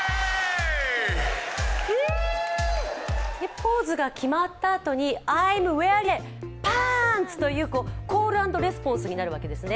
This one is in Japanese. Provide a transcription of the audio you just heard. ポーズが決まったあとに、Ｉ’ｍｗｅａｒｉｎｇと言って、パーンツ！というコール＆レスポンスになるわけなんですね。